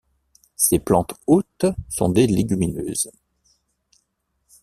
Ses plantes hôtes sont des légumineuses.